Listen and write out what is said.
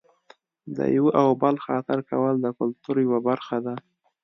د یوه او بل خاطر کول د کلتور یوه برخه ده.